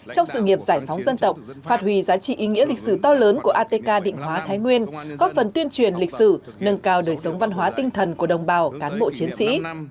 trong sự nghiệp giải phóng dân tộc phát huy giá trị ý nghĩa lịch sử to lớn của atk định hóa thái nguyên góp phần tuyên truyền lịch sử nâng cao đời sống văn hóa tinh thần của đồng bào cán bộ chiến sĩ